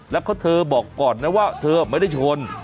แล้วก็เธอบอกก่อนนะว่าเธอไม่ได้ชน